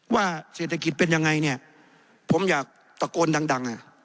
ว่าเศรษฐกิจเป็นยังไงเนี่ยผมอยากตะโกนดัง